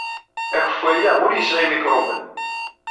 Akeffay-a ur yesɛi imikṛuben.